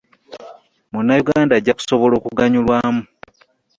Munnayuganda ajja kusobola okuganyulwamu